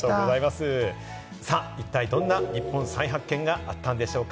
一体どんな日本再発見があったんでしょうか？